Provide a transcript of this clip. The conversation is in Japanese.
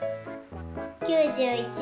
９１！